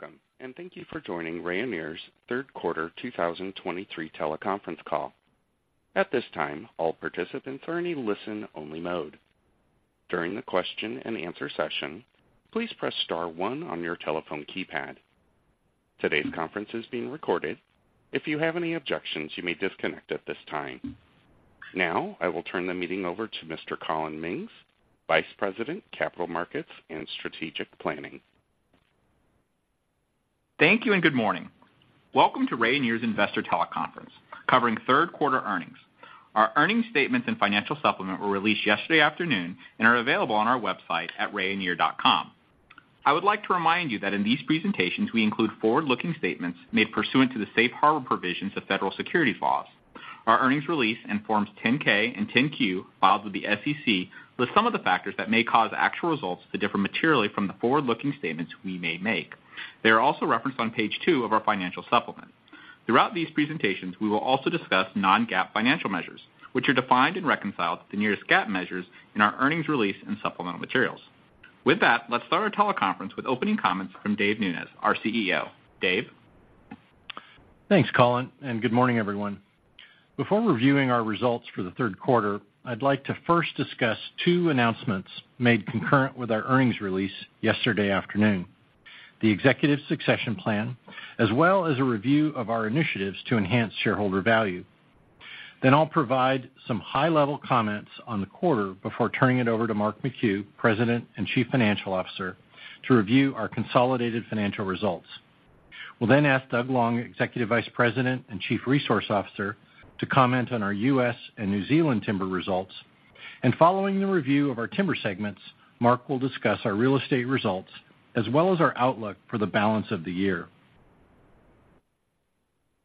Welcome, and thank you for joining Rayonier's third quarter 2023 teleconference call. At this time, all participants are in a listen-only mode. During the question-and-answer session, please press star one on your telephone keypad. Today's conference is being recorded. If you have any objections, you may disconnect at this time. Now, I will turn the meeting over to Mr. Collin Mings, Vice President, Capital Markets and Strategic Planning. Thank you, and good morning. Welcome to Rayonier's Investor Teleconference, covering third quarter earnings. Our earnings statements and financial supplement were released yesterday afternoon and are available on our website at rayonier.com. I would like to remind you that in these presentations, we include forward-looking statements made pursuant to the safe harbor provisions of federal securities laws. Our earnings release in Forms 10-K and 10-Q, filed with the SEC, list some of the factors that may cause actual results to differ materially from the forward-looking statements we may make. They are also referenced on page two of our financial supplement. Throughout these presentations, we will also discuss non-GAAP financial measures, which are defined and reconciled to the nearest GAAP measures in our earnings release and supplemental materials. With that, let's start our teleconference with opening comments from Dave Nunes, our CEO. Dave? Thanks, Collin, and good morning, everyone. Before reviewing our results for the third quarter, I'd like to first discuss two announcements made concurrent with our earnings release yesterday afternoon: the executive succession plan, as well as a review of our initiatives to enhance shareholder value. Then I'll provide some high-level comments on the quarter before turning it over to Mark McHugh, President and Chief Financial Officer, to review our consolidated financial results. We'll then ask Doug Long, Executive Vice President and Chief Resource Officer, to comment on our U.S. and New Zealand timber results. And following the review of our timber segments, Mark will discuss our real estate results, as well as our outlook for the balance of the year.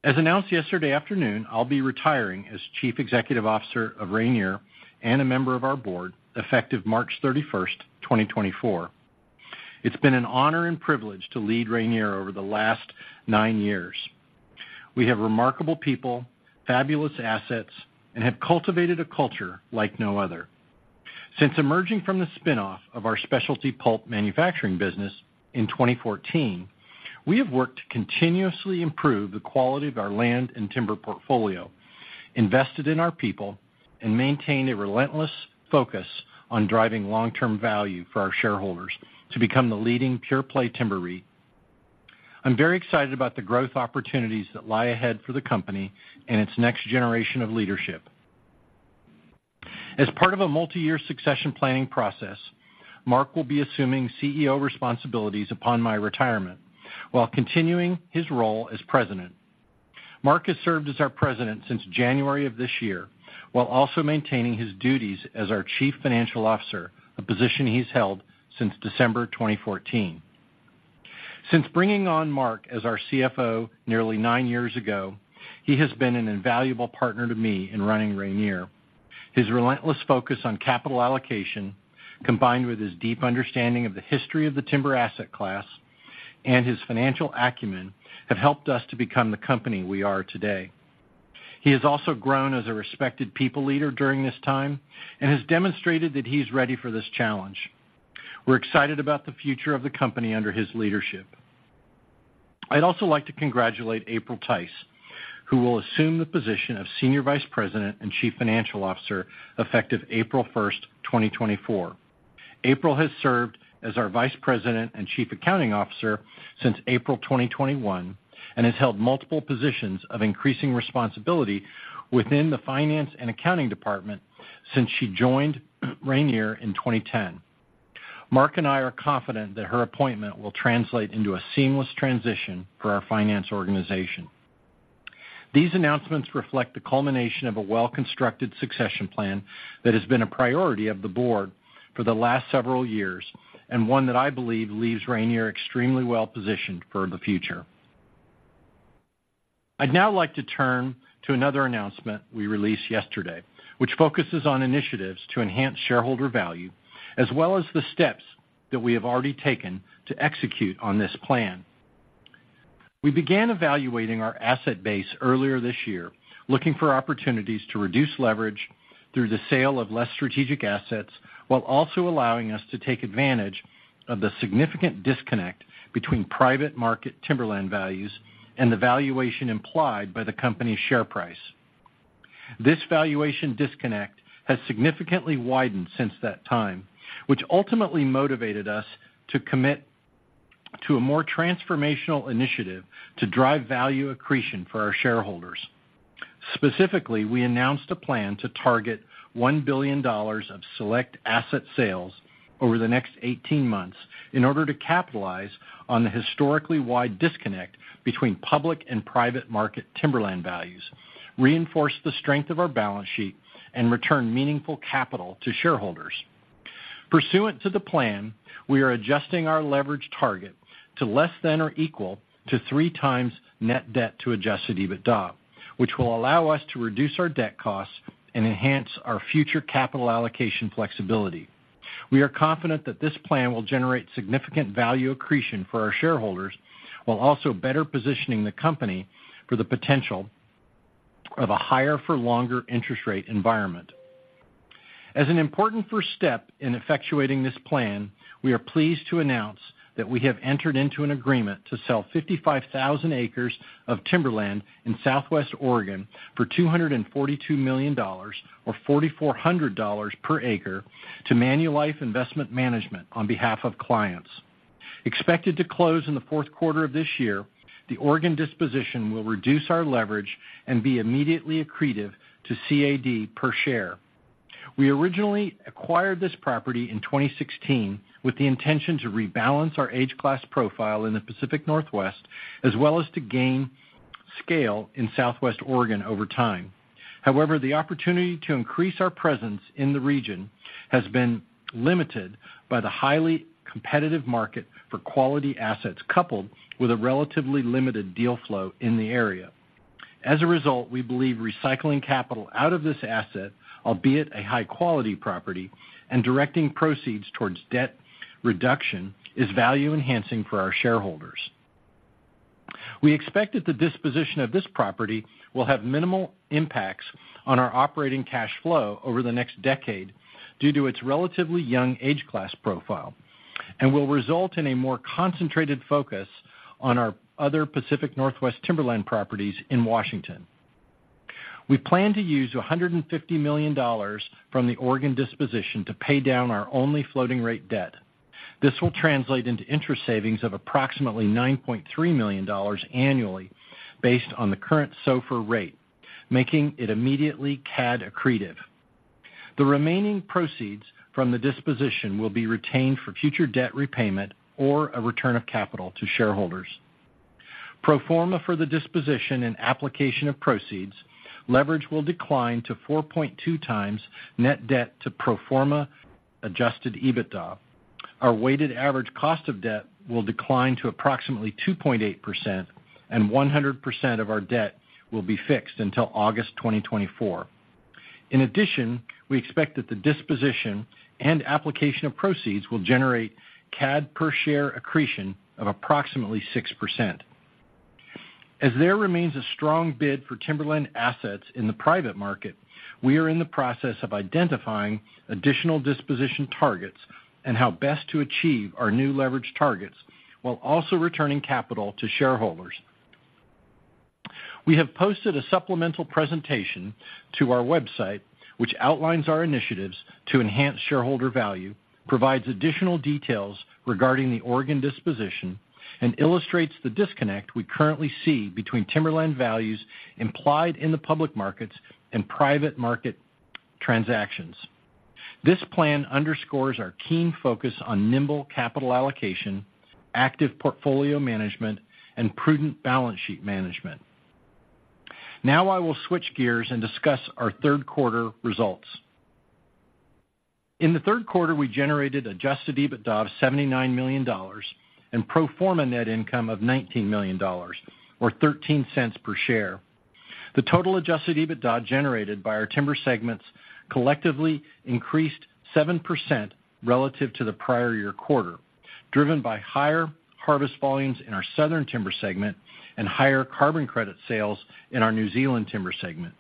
As announced yesterday afternoon, I'll be retiring as Chief Executive Officer of Rayonier and a member of our board, effective March 31, 2024. It's been an honor and privilege to lead Rayonier over the last nine years. We have remarkable people, fabulous assets, and have cultivated a culture like no other. Since emerging from the spinoff of our specialty pulp manufacturing business in 2014, we have worked to continuously improve the quality of our land and timber portfolio, invested in our people, and maintained a relentless focus on driving long-term value for our shareholders to become the leading pure-play timber REIT. I'm very excited about the growth opportunities that lie ahead for the company and its next generation of leadership. As part of a multiyear succession planning process, Mark will be assuming CEO responsibilities upon my retirement, while continuing his role as president. Mark has served as our president since January of this year, while also maintaining his duties as our Chief Financial Officer, a position he's held since December 2014. Since bringing on Mark as our CFO nearly nine years ago, he has been an invaluable partner to me in running Rayonier. His relentless focus on capital allocation, combined with his deep understanding of the history of the timber asset class and his financial acumen, have helped us to become the company we are today. He has also grown as a respected people leader during this time and has demonstrated that he's ready for this challenge. We're excited about the future of the company under his leadership. I'd also like to congratulate April Tice, who will assume the position of Senior Vice President and Chief Financial Officer, effective April first, 2024. April has served as our Vice President and Chief Accounting Officer since April 2021, and has held multiple positions of increasing responsibility within the finance and accounting department since she joined Rayonier in 2010. Mark and I are confident that her appointment will translate into a seamless transition for our finance organization. These announcements reflect the culmination of a well-constructed succession plan that has been a priority of the board for the last several years, and one that I believe leaves Rayonier extremely well-positioned for the future. I'd now like to turn to another announcement we released yesterday, which focuses on initiatives to enhance shareholder value, as well as the steps that we have already taken to execute on this plan. We began evaluating our asset base earlier this year, looking for opportunities to reduce leverage through the sale of less strategic assets, while also allowing us to take advantage of the significant disconnect between private market timberland values and the valuation implied by the company's share price. This valuation disconnect has significantly widened since that time, which ultimately motivated us to commit to a more transformational initiative to drive value accretion for our shareholders. Specifically, we announced a plan to target $1 billion of select asset sales over the next 18 months in order to capitalize on the historically wide disconnect between public and private market timberland values, reinforce the strength of our balance sheet, and return meaningful capital to shareholders. Pursuant to the plan, we are adjusting our leverage target to less than or equal to 3x Net Debt to Adjusted EBITDA, which will allow us to reduce our debt costs and enhance our future capital allocation flexibility. We are confident that this plan will generate significant value accretion for our shareholders, while also better positioning the company for the potential of a higher for longer interest rate environment. As an important first step in effectuating this plan, we are pleased to announce that we have entered into an agreement to sell 55,000 acres of timberland in Southwest Oregon for $242 million, or $4,400 per acre, to Manulife Investment Management on behalf of clients. Expected to close in the fourth quarter of this year, the Oregon disposition will reduce our leverage and be immediately accretive to CAD per share. We originally acquired this property in 2016, with the intention to rebalance our age class profile in the Pacific Northwest, as well as to gain scale in Southwest Oregon over time. However, the opportunity to increase our presence in the region has been limited by the highly competitive market for quality assets, coupled with a relatively limited deal flow in the area. As a result, we believe recycling capital out of this asset, albeit a high-quality property, and directing proceeds towards debt reduction, is value-enhancing for our shareholders. We expect that the disposition of this property will have minimal impacts on our operating cash flow over the next decade due to its relatively young age class profile, and will result in a more concentrated focus on our other Pacific Northwest timberland properties in Washington. We plan to use $150 million from the Oregon disposition to pay down our only floating-rate debt. This will translate into interest savings of approximately $9.3 million annually based on the current SOFR rate, making it immediately CAD accretive. The remaining proceeds from the disposition will be retained for future debt repayment or a return of capital to shareholders. Pro forma for the disposition and application of proceeds, leverage will decline to 4.2x net debt to pro forma Adjusted EBITDA. Our weighted average cost of debt will decline to approximately 2.8%, and 100% of our debt will be fixed until August 2024. In addition, we expect that the disposition and application of proceeds will generate CAD per share accretion of approximately 6%. As there remains a strong bid for timberland assets in the private market, we are in the process of identifying additional disposition targets and how best to achieve our new leverage targets while also returning capital to shareholders. We have posted a supplemental presentation to our website, which outlines our initiatives to enhance shareholder value, provides additional details regarding the Oregon disposition, and illustrates the disconnect we currently see between timberland values implied in the public markets and private market transactions. This plan underscores our keen focus on nimble capital allocation, active portfolio management, and prudent balance sheet management. Now I will switch gears and discuss our third quarter results. In the third quarter, we generated Adjusted EBITDA of $79 million and pro forma net income of $19 million, or $0.13 per share. The total Adjusted EBITDA generated by our timber segments collectively increased 7% relative to the prior year quarter, driven by higher harvest volumes in our Southern Timber segment and higher carbon credit sales in our New Zealand Timber segment.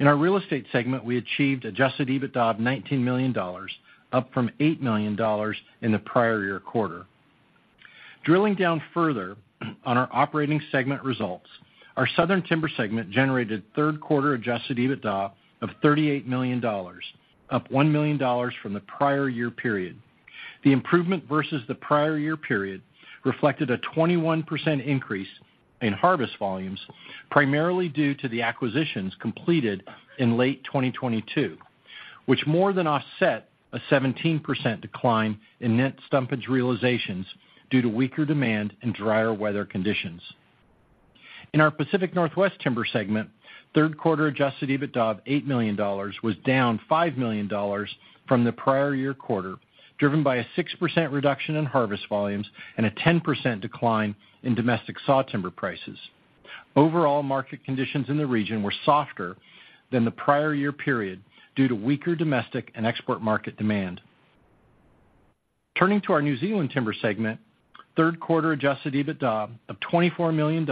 In our Real Estate segment, we achieved adjusted EBITDA of $19 million, up from $8 million in the prior year quarter. Drilling down further on our operating segment results, our Southern Timber segment generated third quarter adjusted EBITDA of $38 million, up $1 million from the prior year period. The improvement versus the prior year period reflected a 21% increase in harvest volumes, primarily due to the acquisitions completed in late 2022, which more than offset a 17% decline in net stumpage realizations due to weaker demand and drier weather conditions. In our Pacific Northwest Timber segment, third quarter adjusted EBITDA of $8 million was down $5 million from the prior year quarter, driven by a 6% reduction in harvest volumes and a 10% decline in domestic sawtimber prices. Overall, market conditions in the region were softer than the prior year period due to weaker domestic and export market demand. Turning to our New Zealand Timber segment, third quarter adjusted EBITDA of $24 million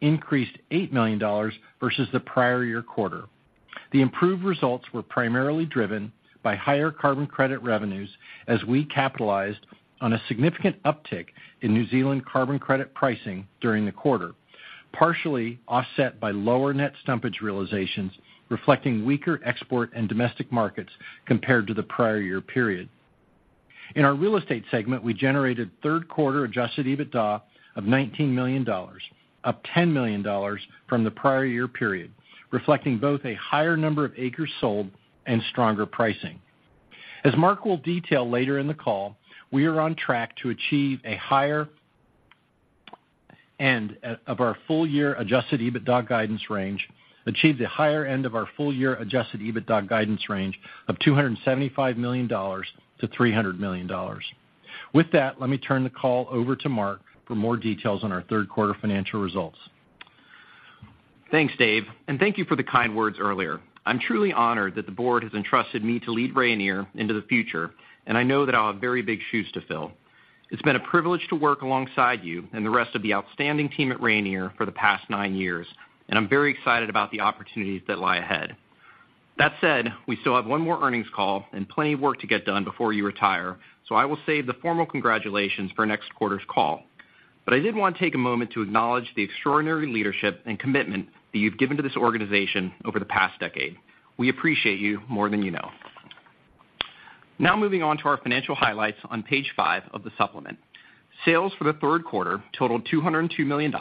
increased $8 million versus the prior year quarter. The improved results were primarily driven by higher carbon credit revenues, as we capitalized on a significant uptick in New Zealand carbon credit pricing during the quarter, partially offset by lower net stumpage realizations, reflecting weaker export and domestic markets compared to the prior year period. In our Real Estate segment, we generated third quarter adjusted EBITDA of $19 million, up $10 million from the prior year period, reflecting both a higher number of acres sold and stronger pricing. As Mark will detail later in the call, we are on track to achieve the higher end of our full-year Adjusted EBITDA guidance range of $275 million-$300 million. With that, let me turn the call over to Mark for more details on our third quarter financial results. Thanks, Dave, and thank you for the kind words earlier. I'm truly honored that the board has entrusted me to lead Rayonier into the future, and I know that I'll have very big shoes to fill.... It's been a privilege to work alongside you and the rest of the outstanding team at Rayonier for the past nine years, and I'm very excited about the opportunities that lie ahead. That said, we still have one more earnings call and plenty of work to get done before you retire, so I will save the formal congratulations for next quarter's call. But I did want to take a moment to acknowledge the extraordinary leadership and commitment that you've given to this organization over the past decade. We appreciate you more than you know. Now moving on to our financial highlights on page 5 of the supplement. Sales for the third quarter totaled $202 million,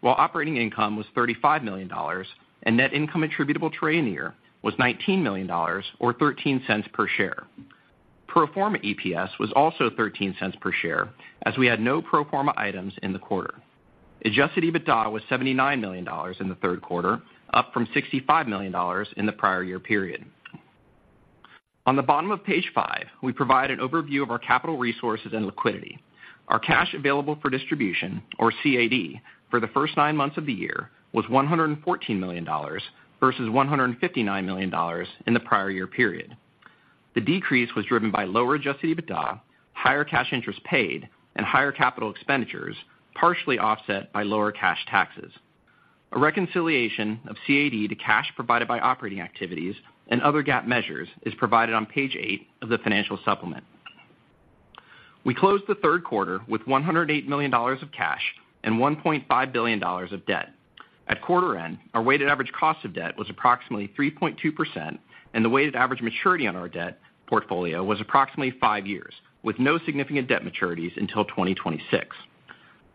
while operating income was $35 million, and net income attributable to Rayonier was $19 million, or $0.13 per share. Pro forma EPS was also $0.13 per share, as we had no pro forma items in the quarter. Adjusted EBITDA was $79 million in the third quarter, up from $65 million in the prior year period. On the bottom of page five, we provide an overview of our capital resources and liquidity. Our cash available for distribution, or CAD, for the first nine months of the year was $114 million, versus $159 million in the prior year period. The decrease was driven by lower adjusted EBITDA, higher cash interest paid, and higher capital expenditures, partially offset by lower cash taxes. A reconciliation of CAD to cash provided by operating activities and other GAAP measures is provided on page 8 of the financial supplement. We closed the third quarter with $108 million of cash and $1.5 billion of debt. At quarter end, our weighted average cost of debt was approximately 3.2%, and the weighted average maturity on our debt portfolio was approximately five years, with no significant debt maturities until 2026.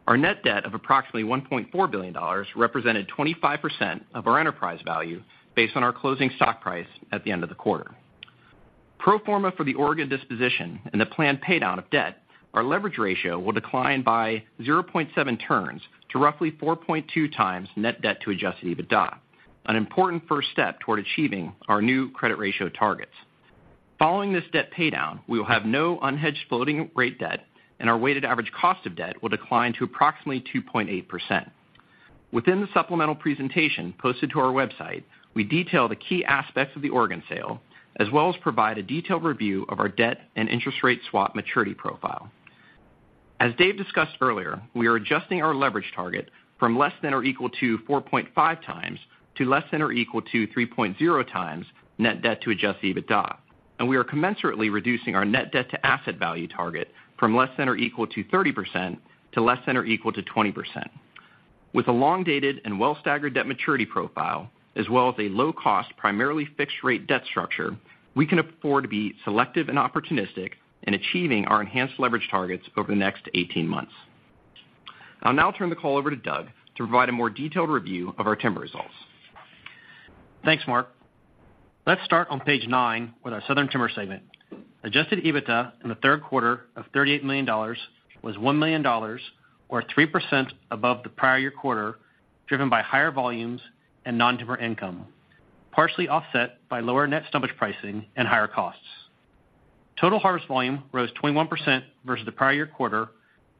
Our net debt of approximately $1.4 billion represented 25% of our enterprise value, based on our closing stock price at the end of the quarter. Pro forma for the Oregon disposition and the planned paydown of debt, our leverage ratio will decline by 0.7 turns to roughly 4.2 times net debt to Adjusted EBITDA, an important first step toward achieving our new credit ratio targets. Following this debt paydown, we will have no unhedged floating rate debt, and our weighted average cost of debt will decline to approximately 2.8%. Within the supplemental presentation posted to our website, we detail the key aspects of the Oregon sale, as well as provide a detailed review of our debt and interest rate swap maturity profile. As Dave discussed earlier, we are adjusting our leverage target from less than or equal to 4.5 times to less than or equal to 3.0 times net debt to Adjusted EBITDA, and we are commensurately reducing our net debt to asset value target from less than or equal to 30% to less than or equal to 20%. With a long-dated and well-staggered debt maturity profile, as well as a low-cost, primarily fixed-rate debt structure, we can afford to be selective and opportunistic in achieving our enhanced leverage targets over the next 18 months. I'll now turn the call over to Doug to provide a more detailed review of our timber results. Thanks, Mark. Let's start on page 9 with our Southern Timber segment. Adjusted EBITDA in the third quarter of $38 million was $1 million, or 3% above the prior year quarter, driven by higher volumes and non-timber income, partially offset by lower net stumpage pricing and higher costs. Total harvest volume rose 21% versus the prior year quarter,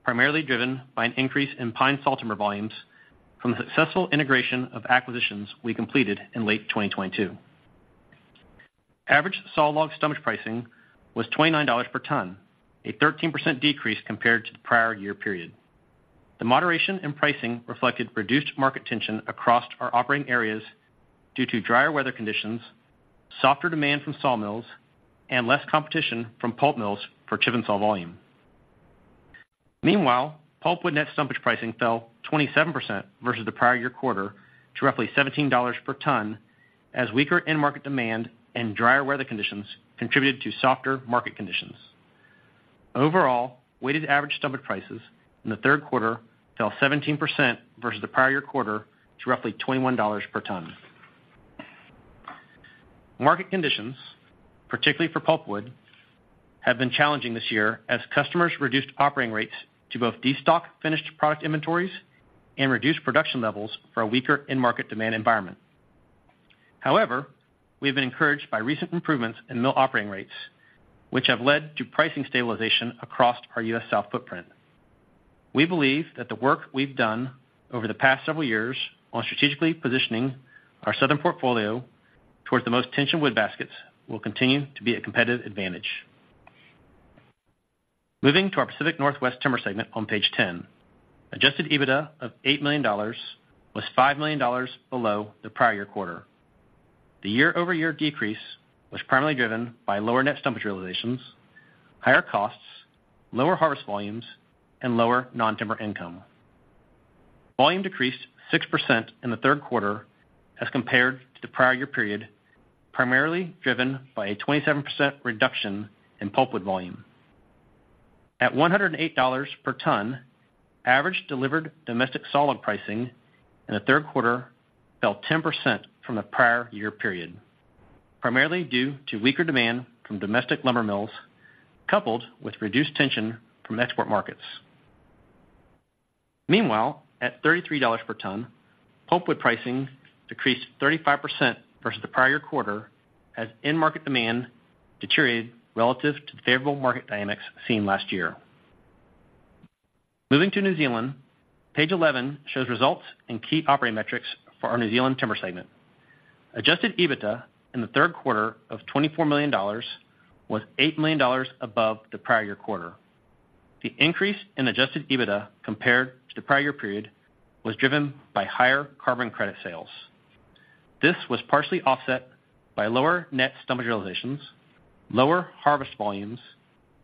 primarily driven by an increase in pine sawtimber volumes from the successful integration of acquisitions we completed in late 2022. Average sawlog stumpage pricing was $29 per ton, a 13% decrease compared to the prior year period. The moderation in pricing reflected reduced market tension across our operating areas due to drier weather conditions, softer demand from sawmills, and less competition from pulp mills for chip and saw volume. Meanwhile, pulpwood net stumpage pricing fell 27% versus the prior year quarter to roughly $17 per ton, as weaker end-market demand and drier weather conditions contributed to softer market conditions. Overall, weighted average stumpage prices in the third quarter fell 17% versus the prior year quarter to roughly $21 per ton. Market conditions, particularly for pulpwood, have been challenging this year as customers reduced operating rates to both destock finished product inventories and reduce production levels for a weaker end-market demand environment. However, we have been encouraged by recent improvements in mill operating rates, which have led to pricing stabilization across our U.S. South footprint. We believe that the work we've done over the past several years on strategically positioning our Southern portfolio towards the most tension wood baskets will continue to be a competitive advantage. Moving to our Pacific Northwest Timber segment on page 10, Adjusted EBITDA of $8 million was $5 million below the prior year quarter. The year-over-year decrease was primarily driven by lower net stumpage realizations, higher costs, lower harvest volumes, and lower non-timber income. Volume decreased 6% in the third quarter as compared to the prior year period, primarily driven by a 27% reduction in pulpwood volume. At $108 per ton, average delivered domestic sawlog pricing in the third quarter fell 10% from the prior year period, primarily due to weaker demand from domestic lumber mills, coupled with reduced tension from export markets. Meanwhile, at $33 per ton, pulpwood pricing decreased 35% versus the prior quarter, as end market demand deteriorated relative to the favorable market dynamics seen last year.... Moving to New Zealand, page 11 shows results and key operating metrics for our New Zealand timber segment. Adjusted EBITDA in the third quarter of $24 million was $8 million above the prior year quarter. The increase in adjusted EBITDA compared to the prior year period was driven by higher carbon credit sales. This was partially offset by lower net stumpage realizations, lower harvest volumes,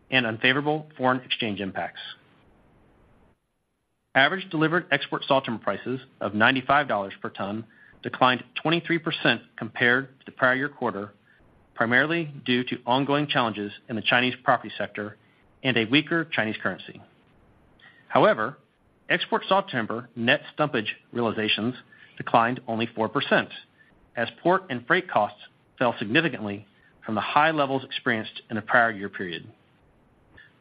and unfavorable foreign exchange impacts. Average delivered export sawtimber prices of $95 per ton declined 23% compared to the prior year quarter, primarily due to ongoing challenges in the Chinese property sector and a weaker Chinese currency. However, export sawtimber net stumpage realizations declined only 4%, as port and freight costs fell significantly from the high levels experienced in the prior year period.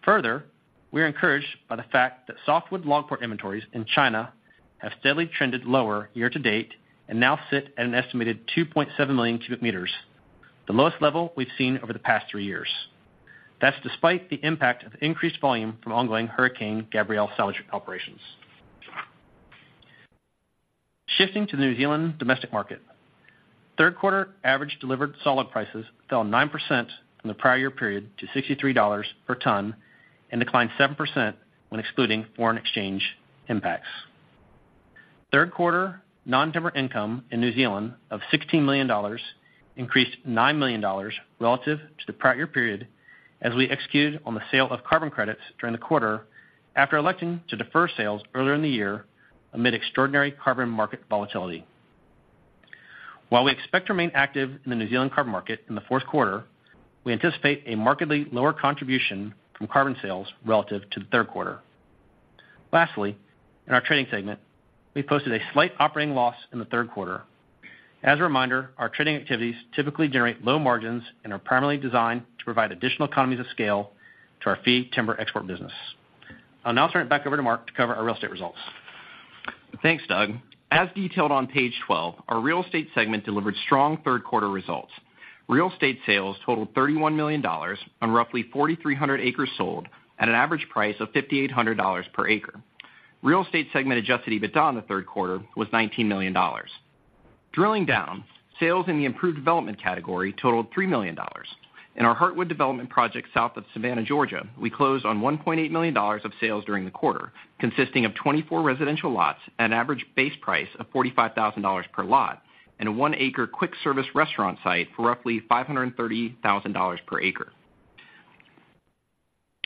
Further, we are encouraged by the fact that softwood log port inventories in China have steadily trended lower year to date and now sit at an estimated 2.7 million cubic meters, the lowest level we've seen over the past 3 years. That's despite the impact of increased volume from ongoing Hurricane Gabrielle salvage operations. Shifting to the New Zealand domestic market, third quarter average delivered sawlog prices fell 9% from the prior year period to $63 per ton and declined 7% when excluding foreign exchange impacts. Third quarter non-timber income in New Zealand of $16 million increased $9 million relative to the prior year period, as we executed on the sale of carbon credits during the quarter after electing to defer sales earlier in the year amid extraordinary carbon market volatility. While we expect to remain active in the New Zealand carbon market in the fourth quarter, we anticipate a markedly lower contribution from carbon sales relative to the third quarter. Lastly, in our trading segment, we posted a slight operating loss in the third quarter. As a reminder, our trading activities typically generate low margins and are primarily designed to provide additional economies of scale to our fee timber export business. I'll now turn it back over to Mark to cover our real estate results. Thanks, Doug. As detailed on page 12, our Real Estate segment delivered strong third quarter results. Real Estate sales totaled $31 million on roughly 4,300 acres sold at an average price of $5,800 per acre. Real Estate segment Adjusted EBITDA in the third quarter was $19 million. Drilling down, sales in the improved development category totaled $3 million. In our Heartwood development project south of Savannah, Georgia, we closed on $1.8 million of sales during the quarter, consisting of 24 residential lots at an average base price of $45,000 per lot and a one-acre quick service restaurant site for roughly $530,000 per acre.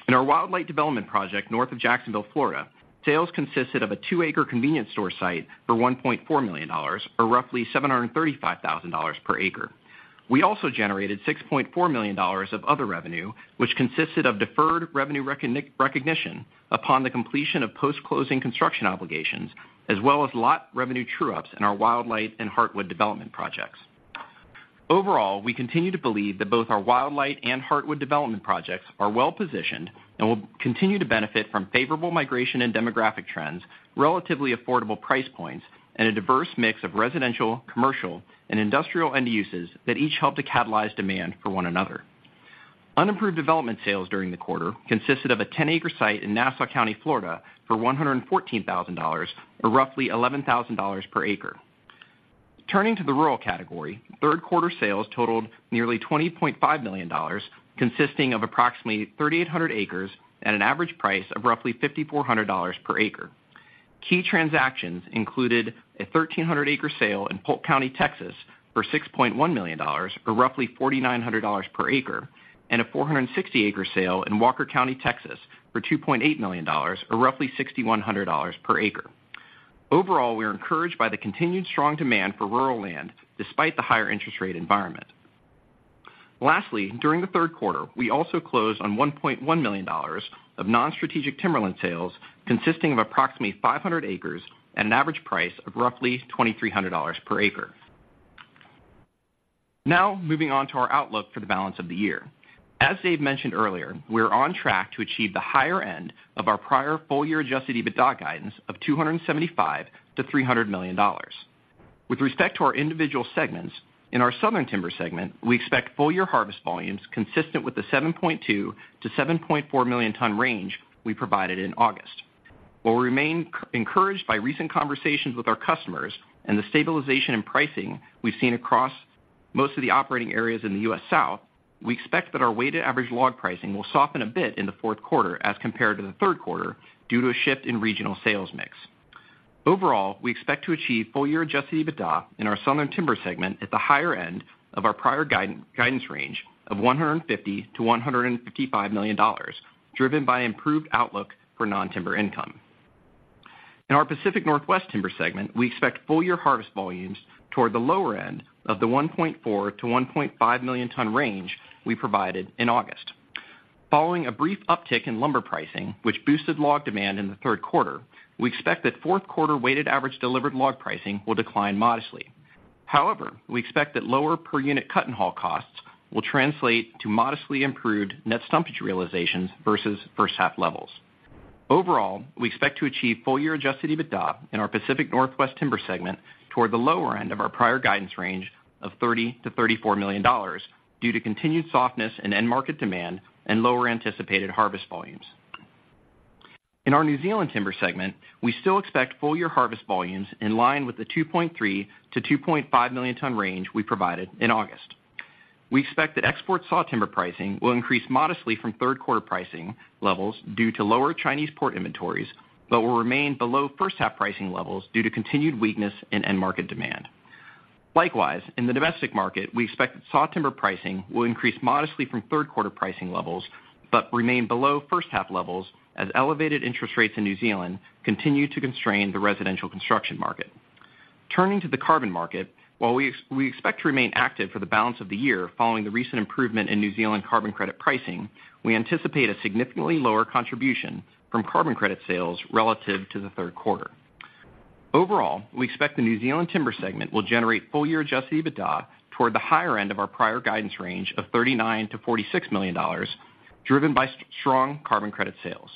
In our Wildlight development project north of Jacksonville, Florida, sales consisted of a 2-acre convenience store site for $1.4 million, or roughly $735,000 per acre. We also generated $6.4 million of other revenue, which consisted of deferred revenue recognition upon the completion of post-closing construction obligations, as well as lot revenue true-ups in our Wildlight and Heartwood development projects. Overall, we continue to believe that both our Wildlight and Heartwood development projects are well-positioned and will continue to benefit from favorable migration and demographic trends, relatively affordable price points, and a diverse mix of residential, commercial, and industrial end uses that each help to catalyze demand for one another. Unimproved development sales during the quarter consisted of a 10-acre site in Nassau County, Florida, for $114,000, or roughly $11,000 per acre. Turning to the rural category, third quarter sales totaled nearly $20.5 million, consisting of approximately 3,800 acres at an average price of roughly $5,400 per acre. Key transactions included a 1,300-acre sale in Polk County, Texas, for $6.1 million, or roughly $4,900 per acre, and a 460-acre sale in Walker County, Texas, for $2.8 million, or roughly $6,100 per acre. Overall, we are encouraged by the continued strong demand for rural land, despite the higher interest rate environment. Lastly, during the third quarter, we also closed on $1.1 million of non-strategic timberland sales, consisting of approximately 500 acres at an average price of roughly $2,300 per acre. Now, moving on to our outlook for the balance of the year. As Dave mentioned earlier, we're on track to achieve the higher end of our prior full-year Adjusted EBITDA guidance of $275 million-$300 million. With respect to our individual segments, in our Southern Timber segment, we expect full-year harvest volumes consistent with the 7.2-7.4 million tons range we provided in August. While we remain encouraged by recent conversations with our customers and the stabilization in pricing we've seen across most of the operating areas in the U.S. South, we expect that our weighted average log pricing will soften a bit in the fourth quarter as compared to the third quarter due to a shift in regional sales mix. Overall, we expect to achieve full-year Adjusted EBITDA in our Southern Timber segment at the higher end of our prior guidance range of $150 million-$155 million, driven by improved outlook for non-timber income. In our Pacific Northwest Timber segment, we expect full-year harvest volumes toward the lower end of the 1.4 million-1.5 million ton range we provided in August. Following a brief uptick in lumber pricing, which boosted log demand in the third quarter, we expect that fourth quarter weighted average delivered log pricing will decline modestly. However, we expect that lower per-unit cut-and-haul costs will translate to modestly improved net stumpage realizations versus first half levels. Overall, we expect to achieve full-year Adjusted EBITDA in our Pacific Northwest Timber segment toward the lower end of our prior guidance range of $30 million-$34 million, due to continued softness in end-market demand and lower anticipated harvest volumes. In our New Zealand timber segment, we still expect full-year harvest volumes in line with the 2.3 million-2.5 million ton range we provided in August. We expect that export saw timber pricing will increase modestly from third quarter pricing levels due to lower Chinese port inventories, but will remain below first half pricing levels due to continued weakness in end market demand. Likewise, in the domestic market, we expect that saw timber pricing will increase modestly from third quarter pricing levels, but remain below first half levels as elevated interest rates in New Zealand continue to constrain the residential construction market. Turning to the carbon market, while we expect to remain active for the balance of the year following the recent improvement in New Zealand carbon credit pricing, we anticipate a significantly lower contribution from carbon credit sales relative to the third quarter. Overall, we expect the New Zealand timber segment will generate full-year adjusted EBITDA toward the higher end of our prior guidance range of $39 million-$46 million, driven by strong carbon credit sales.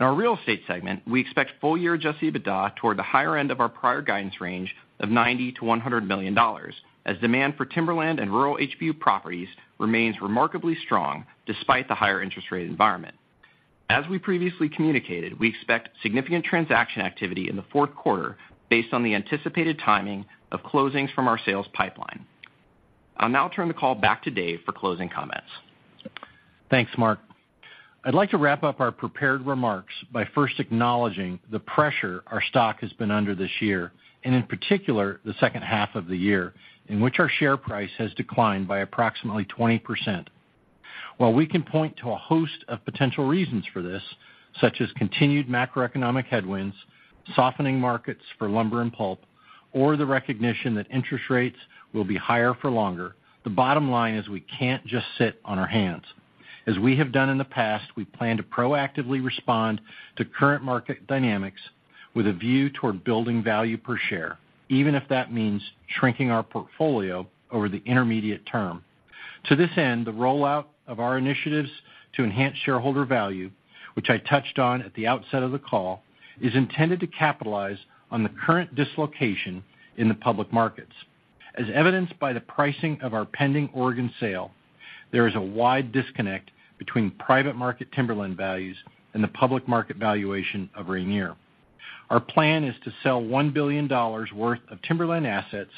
In our real estate segment, we expect full-year adjusted EBITDA toward the higher end of our prior guidance range of $90 million-$100 million, as demand for timberland and rural HBU properties remains remarkably strong despite the higher interest rate environment. As we previously communicated, we expect significant transaction activity in the fourth quarter based on the anticipated timing of closings from our sales pipeline. I'll now turn the call back to Dave for closing comments. Thanks, Mark. I'd like to wrap up our prepared remarks by first acknowledging the pressure our stock has been under this year, and in particular, the second half of the year, in which our share price has declined by approximately 20%. While we can point to a host of potential reasons for this, such as continued macroeconomic headwinds, softening markets for lumber and pulp, or the recognition that interest rates will be higher for longer, the bottom line is we can't just sit on our hands. As we have done in the past, we plan to proactively respond to current market dynamics with a view toward building value per share, even if that means shrinking our portfolio over the intermediate term. To this end, the rollout of our initiatives to enhance shareholder value, which I touched on at the outset of the call, is intended to capitalize on the current dislocation in the public markets. As evidenced by the pricing of our pending Oregon sale, there is a wide disconnect between private market timberland values and the public market valuation of Rayonier. Our plan is to sell $1 billion worth of timberland assets,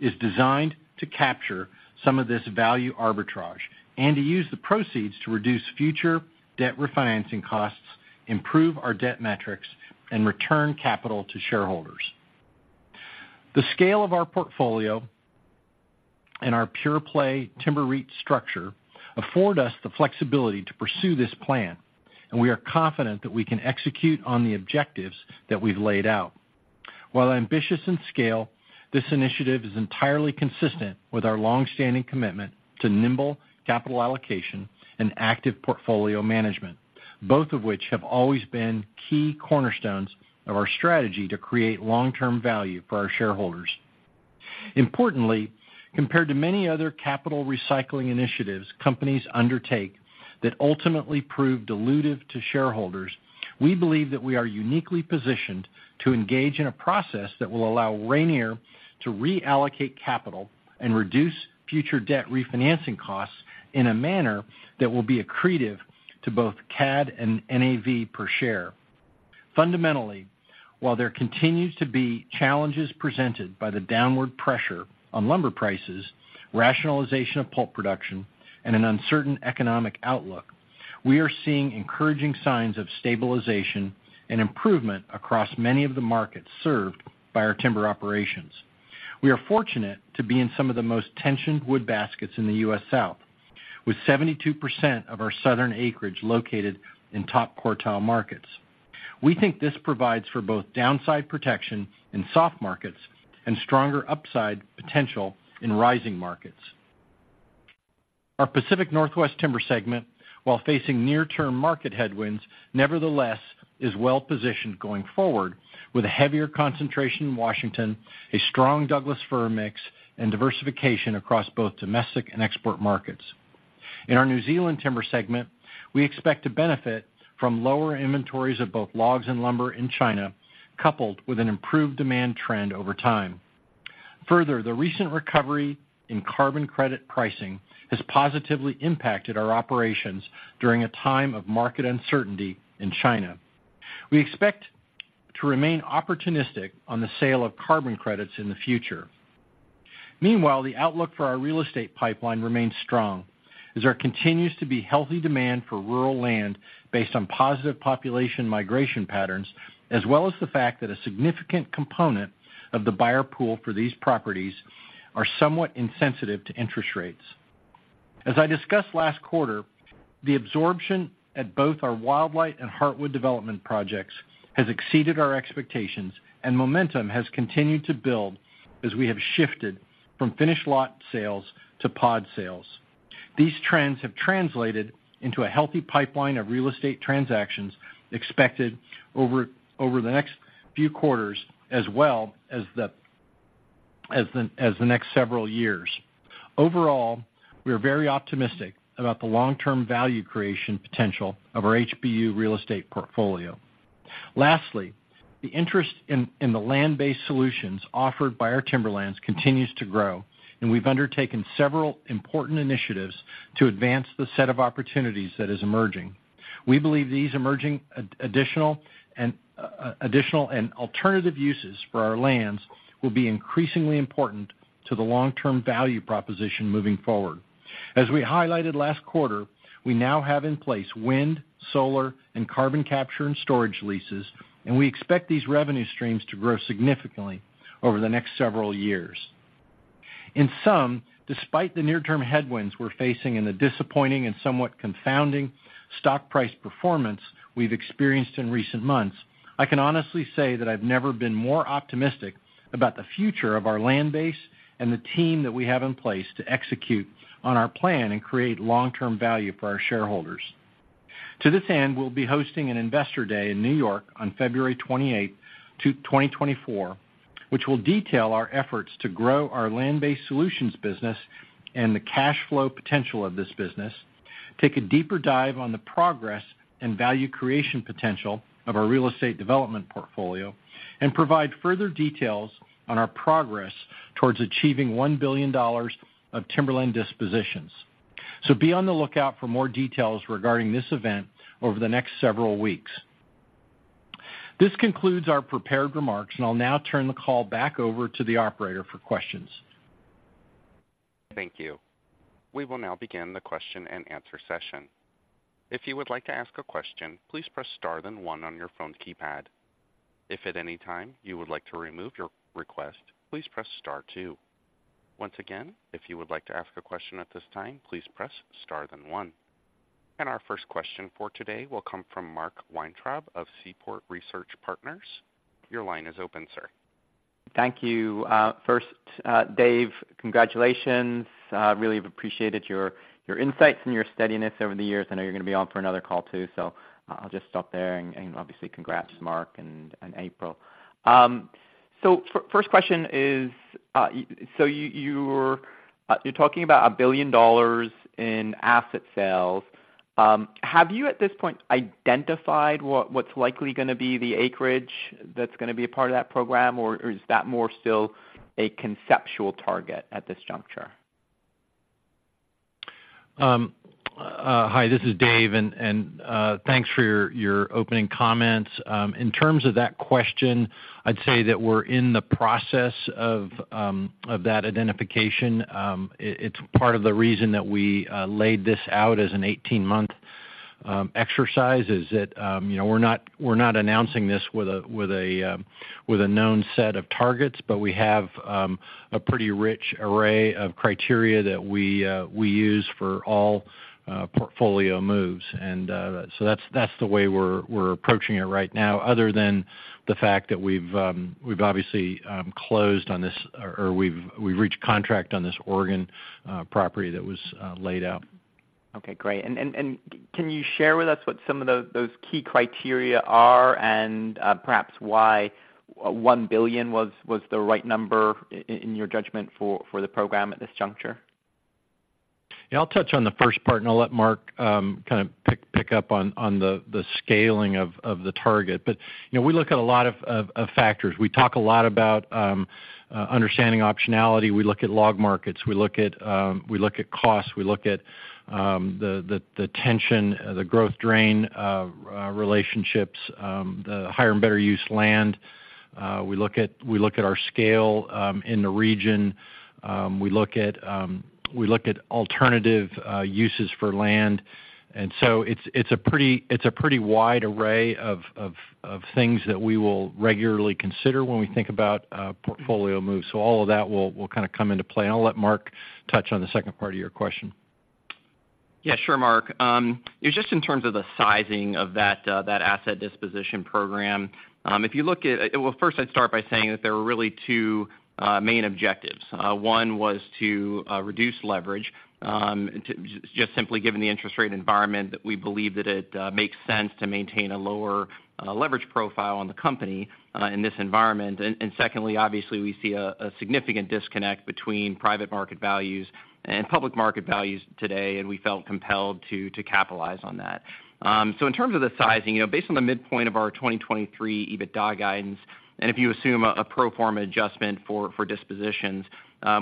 is designed to capture some of this value arbitrage and to use the proceeds to reduce future debt refinancing costs, improve our debt metrics, and return capital to shareholders. The scale of our portfolio and our pure-play timber REIT structure afford us the flexibility to pursue this plan, and we are confident that we can execute on the objectives that we've laid out. While ambitious in scale, this initiative is entirely consistent with our long-standing commitment to nimble capital allocation and active portfolio management, both of which have always been key cornerstones of our strategy to create long-term value for our shareholders. Importantly, compared to many other capital recycling initiatives companies undertake that ultimately prove dilutive to shareholders, we believe that we are uniquely positioned to engage in a process that will allow Rayonier to reallocate capital and reduce future debt refinancing costs in a manner that will be accretive to both CAD and NAV per share. Fundamentally, while there continues to be challenges presented by the downward pressure on lumber prices, rationalization of pulp production, and an uncertain economic outlook, we are seeing encouraging signs of stabilization and improvement across many of the markets served by our timber operations. We are fortunate to be in some of the most tensioned wood baskets in the U.S. South, with 72% of our southern acreage located in top-quartile markets. We think this provides for both downside protection in soft markets and stronger upside potential in rising markets. Our Pacific Northwest timber segment, while facing near-term market headwinds, nevertheless is well-positioned going forward, with a heavier concentration in Washington, a strong Douglas-fir mix, and diversification across both domestic and export markets. In our New Zealand timber segment, we expect to benefit from lower inventories of both logs and lumber in China, coupled with an improved demand trend over time. Further, the recent recovery in carbon credit pricing has positively impacted our operations during a time of market uncertainty in China. We expect to remain opportunistic on the sale of carbon credits in the future. Meanwhile, the outlook for our real estate pipeline remains strong, as there continues to be healthy demand for rural land based on positive population migration patterns, as well as the fact that a significant component of the buyer pool for these properties are somewhat insensitive to interest rates. As I discussed last quarter, the absorption at both our Wildlight and Heartwood development projects has exceeded our expectations, and momentum has continued to build as we have shifted from finished lot sales to pod sales. These trends have translated into a healthy pipeline of real estate transactions expected over the next few quarters, as well as the next several years. Overall, we are very optimistic about the long-term value creation potential of our HBU real estate portfolio.... Lastly, the interest in the Land-Based Solutions offered by our timberlands continues to grow, and we've undertaken several important initiatives to advance the set of opportunities that is emerging. We believe these emerging additional and alternative uses for our lands will be increasingly important to the long-term value proposition moving forward. As we highlighted last quarter, we now have in place wind, solar, and carbon capture and storage leases, and we expect these revenue streams to grow significantly over the next several years. In sum, despite the near-term headwinds we're facing and the disappointing and somewhat confounding stock price performance we've experienced in recent months, I can honestly say that I've never been more optimistic about the future of our land base and the team that we have in place to execute on our plan and create long-term value for our shareholders. To this end, we'll be hosting an Investor Day in New York on February 28, 2024, which will detail our efforts to grow our land-based solutions business and the cash flow potential of this business, take a deeper dive on the progress and value creation potential of our real estate development portfolio, and provide further details on our progress towards achieving $1 billion of timberland dispositions. So be on the lookout for more details regarding this event over the next several weeks. This concludes our prepared remarks, and I'll now turn the call back over to the operator for questions. Thank you. We will now begin the question-and-answer session. If you would like to ask a question, please press star then one on your phone's keypad. If at any time you would like to remove your request, please press star two. Once again, if you would like to ask a question at this time, please press star then one. Our first question for today will come from Mark Weintraub of Seaport Research Partners. Your line is open, sir. Thank you. First, Dave, congratulations. Really have appreciated your insights and your steadiness over the years. I know you're gonna be on for another call, too, so I'll just stop there. Obviously, congrats, Mark and April. First question is, so you're talking about $1 billion in asset sales. Have you, at this point, identified what's likely gonna be the acreage that's gonna be a part of that program, or is that more still a conceptual target at this juncture? Hi, this is Dave, and thanks for your opening comments. In terms of that question, I'd say that we're in the process of that identification. It, it's part of the reason that we laid this out as an 18-month exercise, is that, you know, we're not announcing this with a known set of targets, but we have a pretty rich array of criteria that we use for all portfolio moves. And so that's the way we're approaching it right now, other than the fact that we've obviously closed on this, or we've reached contract on this Oregon property that was laid out. Okay, great. And can you share with us what some of those key criteria are, and perhaps why $1 billion was the right number in your judgment for the program at this juncture? Yeah, I'll touch on the first part, and I'll let Mark kind of pick up on the scaling of the target. But, you know, we look at a lot of factors. We talk a lot about understanding optionality. We look at log markets. We look at costs. We look at the tension, the growth-drain relationships, the Higher and Better Use land. We look at our scale in the region. We look at alternative uses for land. And so it's a pretty wide array of things that we will regularly consider when we think about portfolio moves. So all of that will kind of come into play. I'll let Mark touch on the second part of your question. Yeah, sure, Mark. Just in terms of the sizing of that asset disposition program, if you look at... Well, first, I'd start by saying that there were really two main objectives. One was to reduce leverage, to just simply given the interest rate environment, that we believe that it makes sense to maintain a lower leverage profile on the company in this environment. And secondly, obviously, we see a significant disconnect between private market values and public market values today, and we felt compelled to capitalize on that. So in terms of the sizing, you know, based on the midpoint of our 2023 EBITDA guidance, and if you assume a pro forma adjustment for dispositions,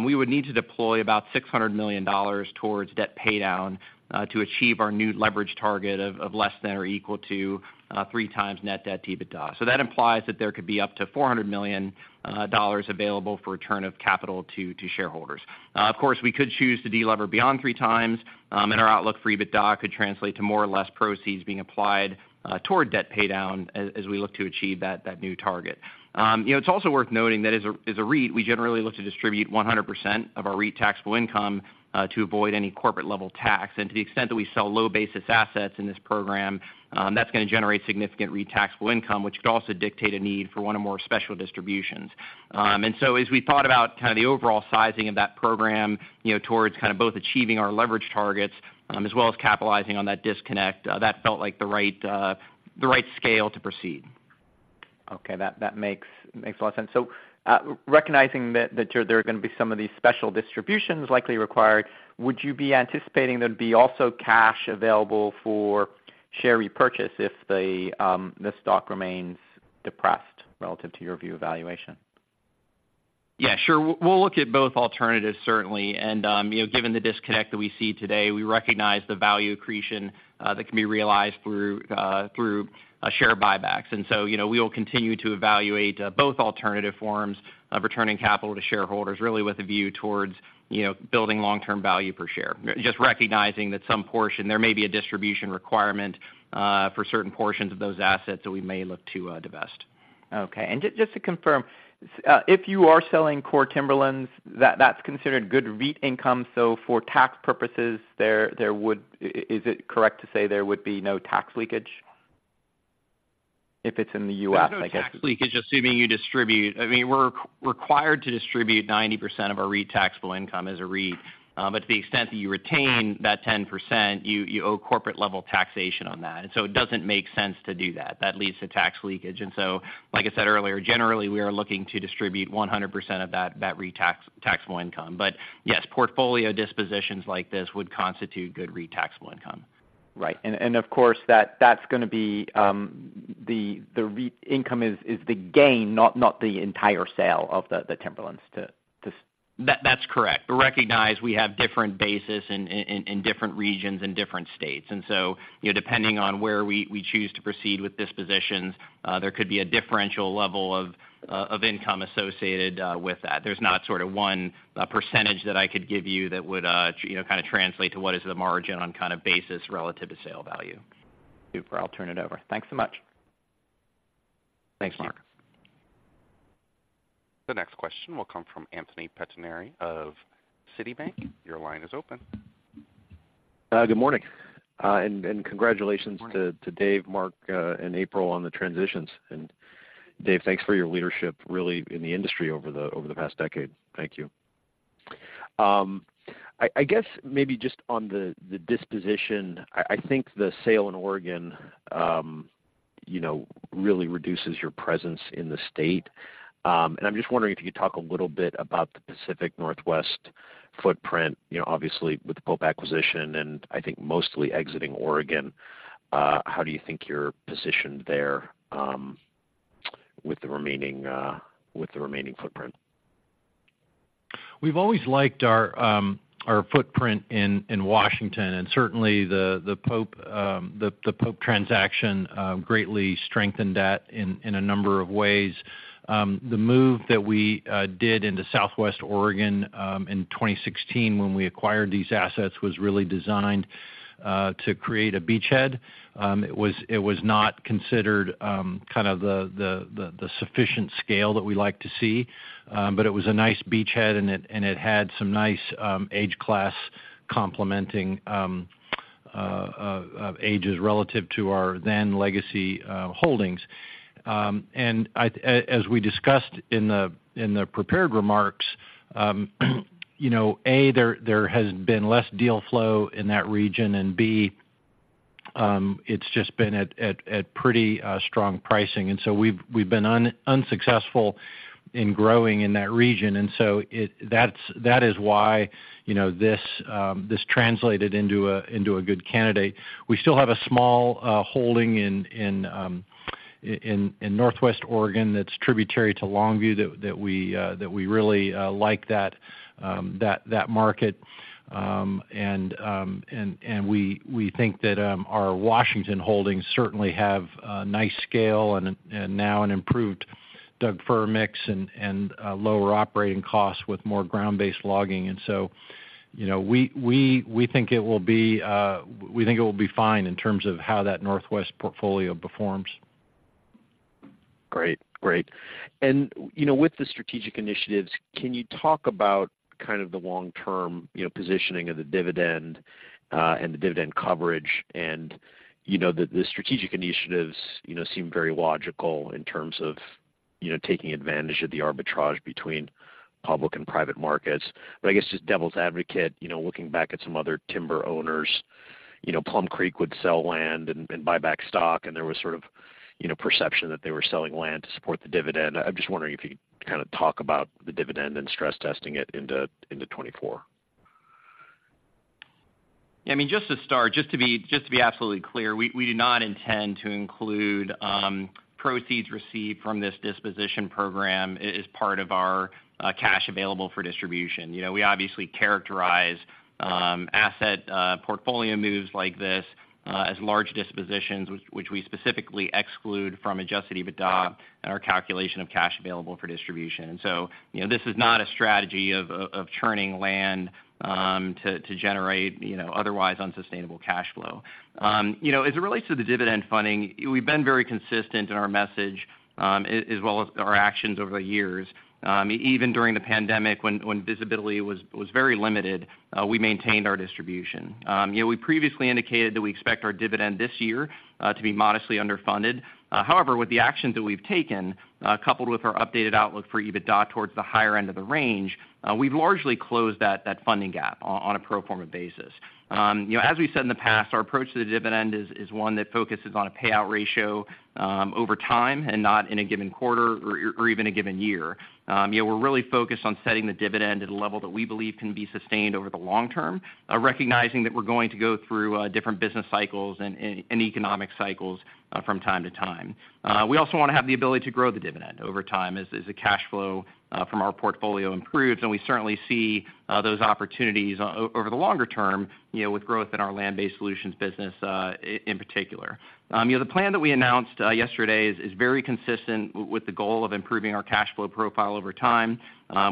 we would need to deploy about $600 million towards debt paydown to achieve our new leverage target of less than or equal to 3x net debt to EBITDA. So that implies that there could be up to $400 million dollars available for return of capital to shareholders. Of course, we could choose to delever beyond 3x, and our outlook for EBITDA could translate to more or less proceeds being applied toward debt paydown as we look to achieve that new target. You know, it's also worth noting that as a REIT, we generally look to distribute 100% of our REIT taxable income to avoid any corporate-level tax. And to the extent that we sell low-basis assets in this program, that's gonna generate significant REIT taxable income, which could also dictate a need for one or more special distributions. And so as we thought about kind of the overall sizing of that program, you know, towards kind of both achieving our leverage targets, as well as capitalizing on that disconnect, that felt like the right, the right scale to proceed. Okay, that makes a lot of sense. So, recognizing that there are gonna be some of these special distributions likely required, would you be anticipating there'd be also cash available for share repurchase if the stock remains depressed relative to your view evaluation? Yeah, sure. We'll look at both alternatives, certainly. And, you know, given the disconnect that we see today, we recognize the value accretion that can be realized through share buybacks. And so, you know, we will continue to evaluate both alternative forms of returning capital to shareholders, really with a view towards, you know, building long-term value per share. Just recognizing that some portion, there may be a distribution requirement for certain portions of those assets that we may look to divest. Okay. And just to confirm, if you are selling core timberlands, that's considered good REIT income, so for tax purposes, there would... Is it correct to say there would be no tax leakage if it's in the U.S., I guess? There's no tax leakage, assuming you distribute. I mean, we're required to distribute 90% of our REIT taxable income as a REIT. But to the extent that you retain that 10%, you owe corporate-level taxation on that, and so it doesn't make sense to do that. That leads to tax leakage. And so, like I said earlier, generally, we are looking to distribute 100% of that REIT taxable income. But yes, portfolio dispositions like this would constitute good REIT taxable income. Right. And of course, that's gonna be the REIT income is the gain, not the entire sale of the timberlands to- That, that's correct. But recognize we have different bases in different regions and different states. And so, you know, depending on where we choose to proceed with dispositions, there could be a differential level of income associated with that. There's not sort of one percentage that I could give you that would, you know, kind of translate to what is the margin on kind of basis relative to sale value. Super. I'll turn it over. Thanks so much. Thanks, Mark. The next question will come from Anthony Pettinari of Citibank. Your line is open. Good morning, and congratulations- Good morning. To Dave, Mark, and April on the transitions. And Dave, thanks for your leadership, really, in the industry over the past decade. Thank you. I guess maybe just on the disposition. I think the sale in Oregon, you know, really reduces your presence in the state. And I'm just wondering if you could talk a little bit about the Pacific Northwest footprint, you know, obviously, with the Pope acquisition, and I think mostly exiting Oregon, how do you think you're positioned there, with the remaining footprint? We've always liked our footprint in Washington, and certainly the Pope transaction greatly strengthened that in a number of ways. The move that we did into Southwest Oregon in 2016, when we acquired these assets, was really designed to create a beachhead. It was not considered kind of the sufficient scale that we like to see, but it was a nice beachhead, and it had some nice age class complementing ages relative to our then legacy holdings. And as we discussed in the prepared remarks, you know, A, there has been less deal flow in that region, and B, it's just been at pretty strong pricing. And so we've been unsuccessful in growing in that region, and so that's why, you know, this translated into a good candidate. We still have a small holding in Northwest Oregon that's tributary to Longview, that we really like that market. And we think that our Washington holdings certainly have a nice scale and now an improved Douglas-fir mix and lower operating costs with more ground-based logging. And so, you know, we think it will be fine in terms of how that Northwest portfolio performs. Great. Great. And, you know, with the strategic initiatives, can you talk about kind of the long-term, you know, positioning of the dividend, and the dividend coverage? And, you know, the, the strategic initiatives, you know, seem very logical in terms of, you know, taking advantage of the arbitrage between public and private markets. But I guess just devil's advocate, you know, looking back at some other timber owners, you know, Plum Creek would sell land and, and buy back stock, and there was sort of, you know, perception that they were selling land to support the dividend. I'm just wondering if you could kind of talk about the dividend and stress testing it into, into 2024. I mean, just to start, just to be absolutely clear, we do not intend to include proceeds received from this disposition program as part of our cash available for distribution. You know, we obviously characterize asset portfolio moves like this as large dispositions, which we specifically exclude from Adjusted EBITDA- Got it. And our calculation of cash available for distribution. And so, you know, this is not a strategy of churning land to generate, you know, otherwise unsustainable cash flow. You know, as it relates to the dividend funding, we've been very consistent in our message, as well as our actions over the years. Even during the pandemic, when visibility was very limited, we maintained our distribution. You know, we previously indicated that we expect our dividend this year to be modestly underfunded. However, with the actions that we've taken, coupled with our updated outlook for EBITDA towards the higher end of the range, we've largely closed that funding gap on a pro forma basis. You know, as we said in the past, our approach to the dividend is one that focuses on a payout ratio over time and not in a given quarter or even a given year. You know, we're really focused on setting the dividend at a level that we believe can be sustained over the long term, recognizing that we're going to go through different business cycles and economic cycles from time to time. We also wanna have the ability to grow the dividend over time as the cash flow from our portfolio improves, and we certainly see those opportunities over the longer term, you know, with growth in our land-based solutions business in particular. You know, the plan that we announced yesterday is very consistent with the goal of improving our cash flow profile over time.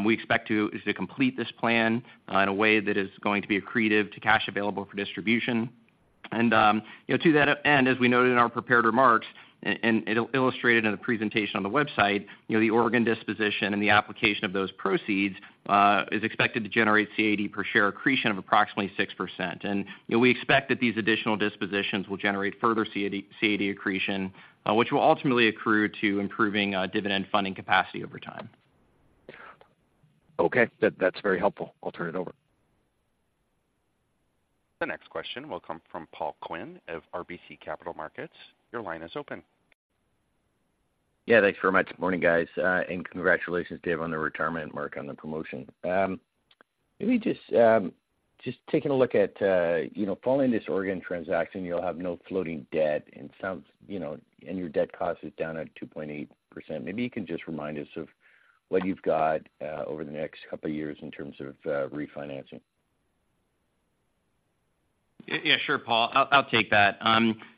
We expect to complete this plan in a way that is going to be accretive to cash available for distribution. And, you know, to that end, as we noted in our prepared remarks, and it'll be illustrated in the presentation on the website, you know, the Oregon disposition and the application of those proceeds is expected to generate CAD per share accretion of approximately 6%. And, you know, we expect that these additional dispositions will generate further CAD accretion, which will ultimately accrue to improving dividend funding capacity over time. Okay, that's very helpful. I'll turn it over. The next question will come from Paul Quinn of RBC Capital Markets. Your line is open. Yeah, thanks very much. Morning, guys, and congratulations, Dave, on the retirement, Mark, on the promotion. Maybe just taking a look at, you know, following this Oregon transaction, you'll have no floating debt, and sounds, you know, and your debt cost is down at 2.8%. Maybe you can just remind us of what you've got, over the next couple of years in terms of, refinancing. Yeah, sure, Paul. I'll take that.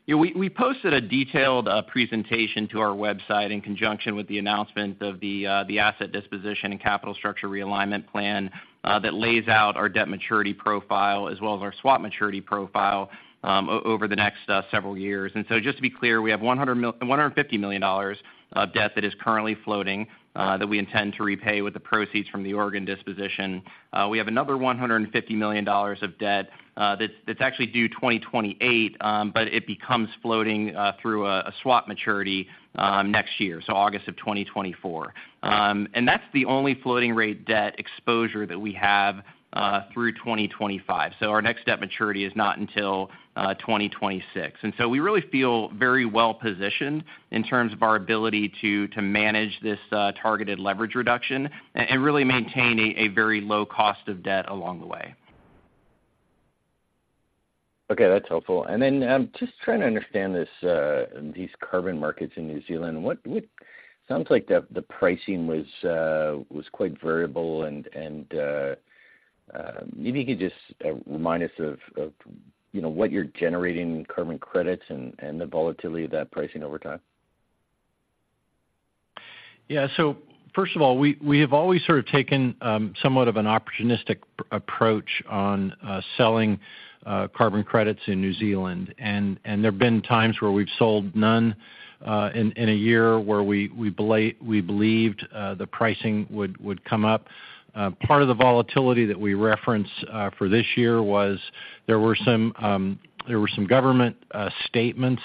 You know, we posted a detailed presentation to our website in conjunction with the announcement of the asset disposition and capital structure realignment plan that lays out our debt maturity profile, as well as our swap maturity profile, over the next several years. So just to be clear, we have $150 million of debt that is currently floating that we intend to repay with the proceeds from the Oregon disposition. We have another $150 million of debt that's actually due 2028, but it becomes floating through a swap maturity next year, so August of 2024. And that's the only floating rate debt exposure that we have through 2025. Our next debt maturity is not until 2026. We really feel very well positioned in terms of our ability to manage this targeted leverage reduction and really maintain a very low cost of debt along the way. Okay, that's helpful. And then, just trying to understand this, these carbon markets in New Zealand. What sounds like the pricing was quite variable, and maybe you could just remind us of, you know, what you're generating in carbon credits and the volatility of that pricing over time. Yeah. So first of all, we have always sort of taken somewhat of an opportunistic approach on selling carbon credits in New Zealand, and there have been times where we've sold none in a year where we believed the pricing would come up. Part of the volatility that we reference for this year was there were some government statements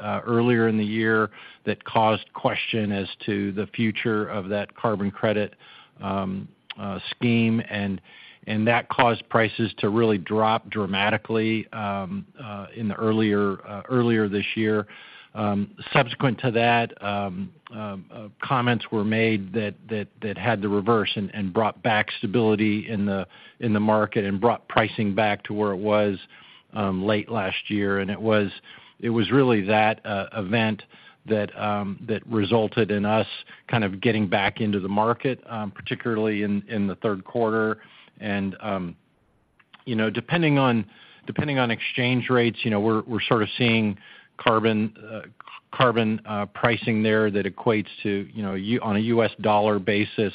earlier in the year that caused question as to the future of that carbon credit scheme, and that caused prices to really drop dramatically in the earlier this year. Subsequent to that, comments were made that had the reverse and brought back stability in the market and brought pricing back to where it was late last year. It was really that event that resulted in us kind of getting back into the market, particularly in the third quarter. You know, depending on exchange rates, you know, we're sort of seeing carbon pricing there that equates to, you know, U- on a US dollar basis,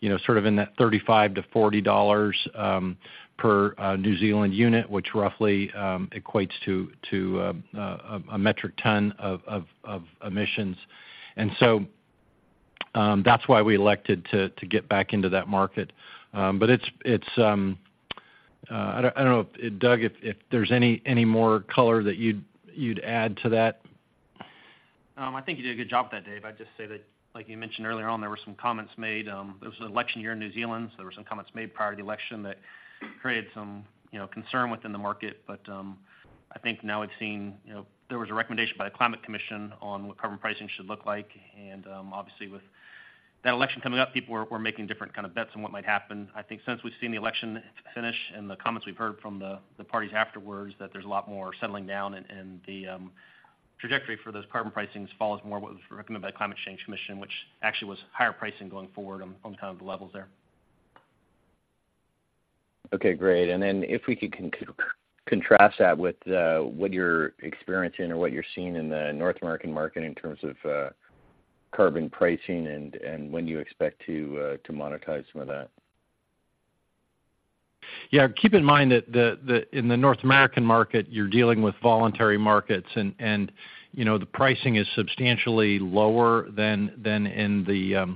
you know, sort of in that $35-$40 per New Zealand Unit, which roughly equates to a metric ton of emissions. That's why we elected to get back into that market. But it's, I don't know, Doug, if there's any more color that you'd add to that? I think you did a good job with that, Dave. I'd just say that, like you mentioned earlier on, there were some comments made. It was an election year in New Zealand, so there were some comments made prior to the election that created some, you know, concern within the market. But, I think now we've seen, you know, there was a recommendation by the Climate Commission on what carbon pricing should look like. And, obviously, with that election coming up, people were making different kind of bets on what might happen. I think since we've seen the election finish and the comments we've heard from the parties afterwards, that there's a lot more settling down and the trajectory for those carbon pricings follows more what was recommended by the Climate Change Commission, which actually was higher pricing going forward on kind of the levels there. Okay, great. And then, if we could contrast that with what you're experiencing or what you're seeing in the North American market in terms of carbon pricing and when you expect to monetize some of that. Yeah, keep in mind that the in the North American market, you're dealing with voluntary markets and, you know, the pricing is substantially lower than in the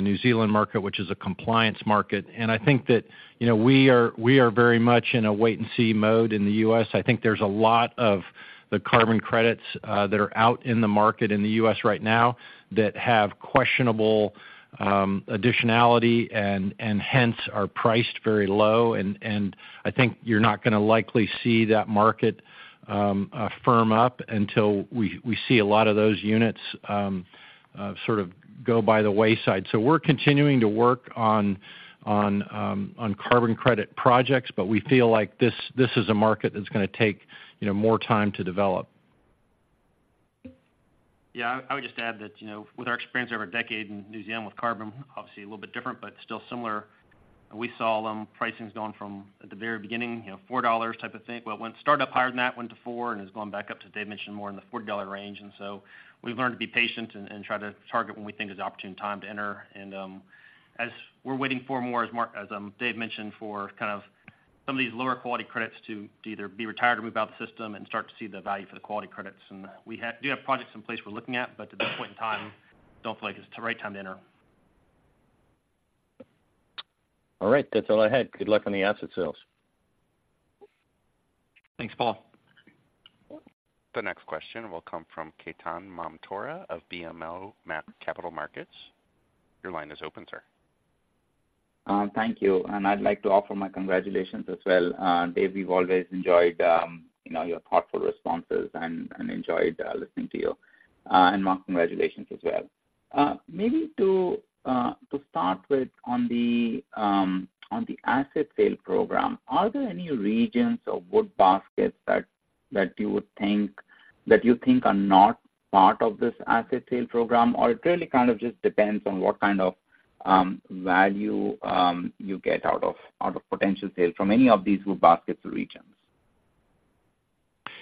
New Zealand market, which is a compliance market. And I think that, you know, we are very much in a wait-and-see mode in the U.S. I think there's a lot of the carbon credits that are out in the market in the U.S. right now that have questionable additionality and hence are priced very low. And I think you're not gonna likely see that market firm up until we see a lot of those units sort of go by the wayside. So we're continuing to work on carbon credit projects, but we feel like this is a market that's gonna take, you know, more time to develop. Yeah, I would just add that, you know, with our experience over a decade in New Zealand with carbon, obviously a little bit different, but still similar. We saw pricings going from, at the very beginning, you know, $4 type of thing. Well, when it started up higher than that, went to $4 and has gone back up to, Dave mentioned, more in the $40 range. And so we've learned to be patient and try to target when we think is the opportune time to enter. And as we're waiting for more, as Mark- as Dave mentioned, for kind of- ... some of these lower quality credits to either be retired or move out of the system and start to see the value for the quality credits. And we have, do have projects in place we're looking at, but at this point in time, don't feel like it's the right time to enter. All right, that's all I had. Good luck on the asset sales. Thanks, Paul. The next question will come from Ketan Mamtora of BMO Capital Markets. Your line is open, sir. Thank you. And I'd like to offer my congratulations as well. Dave, we've always enjoyed, you know, your thoughtful responses and, and enjoyed listening to you. And Mark, congratulations as well. Maybe to start with on the asset sale program, are there any regions or wood baskets that you think are not part of this asset sale program? Or it really kind of just depends on what kind of value you get out of potential sales from any of these wood baskets or regions?